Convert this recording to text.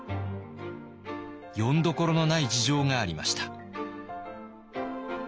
よんどころのない事情がありました。